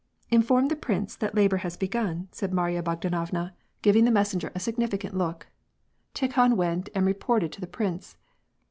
"Inform the prince that labor has begun," said Marya Bog • Oolubka, 38 ^^^ AND PEACE. danovna, giving the messenger a significant look. Tikhon went and reported to the prince.